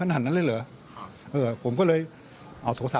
อย่างนั้นใช่เหรอผมก็โทรศัพท์ออกมา